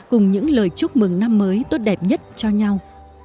cùng những lời chúc mừng năm mới tốt đẹp nhất cho nhau